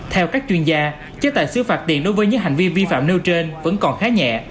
theo các chuyên gia chế tài xứ phạt tiền đối với những hành vi vi phạm nêu trên vẫn còn khá nhẹ